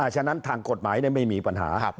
ฉะนั้นทางกฎหมายไม่มีปัญหา